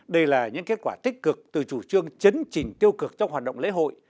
đây là những kết quả tích cực từ chủ trương chấn chỉnh tiêu cực trong hoạt động lễ hội